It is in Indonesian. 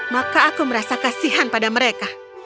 maka aku merasa kasihan pada mereka